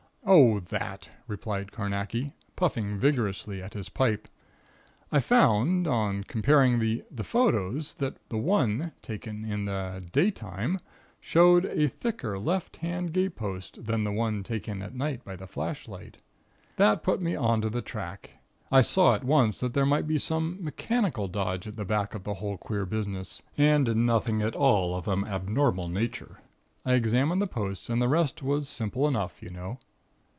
"Oh, that!" replied Carnacki, puffing vigorously at his pipe. "I found on comparing the photos, that the one taken in the daytime, showed a thicker left hand gatepost, than the one taken at night by the flashlight. That put me on to the track. I saw at once that there might be some mechanical dodge at the back of the whole queer business and nothing at all of an abnormal nature. I examined the post and the rest was simple enough, you know.